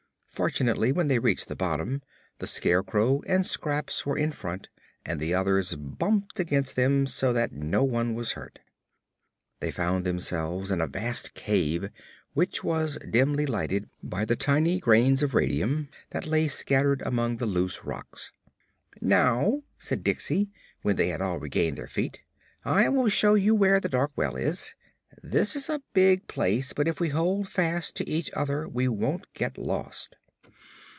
Fortunately, when they reached the bottom the Scarecrow and Scraps were in front, and the others bumped against them, so that no one was hurt. They found themselves in a vast cave which was dimly lighted by the tiny grains of radium that lay scattered among the loose rocks. "Now," said Diksey, when they had all regained their feet, "I will show you where the dark well is. This is a big place, but if we hold fast to each other we won't get lost."